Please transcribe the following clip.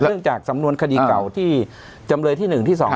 เนื่องจากสำนวนคดีเก่าที่จำเลยที่๑ที่๒